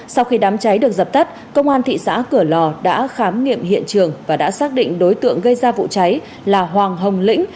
sau khi đám cháy được dập tắt công an thị xã cửa lò đã khám nghiệm hiện trường và đã xác định đối tượng gây ra vụ cháy là hoàng hồng lĩnh